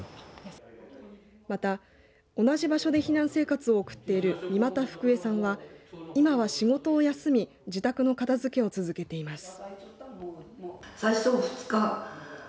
また同じ場所で避難生活を送っている三股ふくえさんは今は仕事を休み自宅の片づけを続けています。